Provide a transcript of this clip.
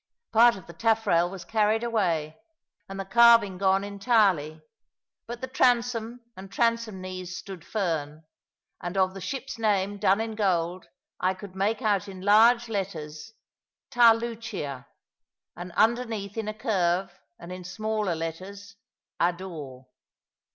Part of the taffrail was carried away, and the carving gone entirely, but the transom and transom knees stood firm; and of the ship's name done in gold I could make out in large letters TA LUCIA; and underneath, in a curve, and in smaller letters, ADOR.